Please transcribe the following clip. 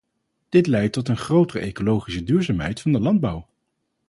Dit leidt tot een grotere ecologische duurzaamheid van de landbouw.